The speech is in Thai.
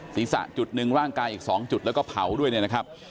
ศีรษะจุดหนึ่งร่างกายอีก๒จุดแล้วก็เผาด้วยเนี่ยนะครับ